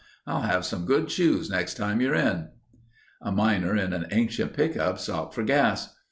I'll have some good shoes next time you're in." A miner in an ancient pickup stopped for gas.